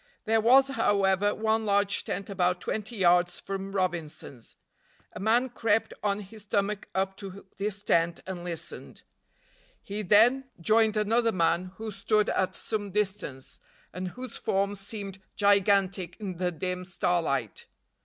There was, however, one large tent about twenty yards from Robinson's. A man crept on his stomach up to this tent and listened. He then joined another man who stood at some distance, and whose form seemed gigantic in the dim starlight.